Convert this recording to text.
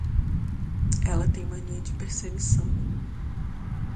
Ela tem mania de perseguição